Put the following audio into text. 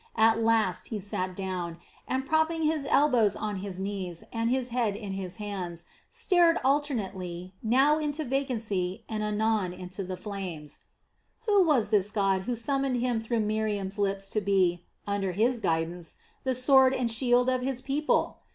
At last he sat down, and propping his elbows on his knees and his head in his hands, stared alternately, now into vacancy, and anon into the flames. Who was this God who summoned him through Miriam's lips to be, under His guidance, the sword and shield of His people?